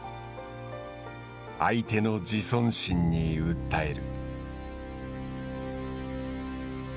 相手の自尊心に訴える。